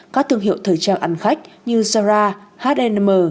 các thương hiệu thời trang ăn khách như zara h m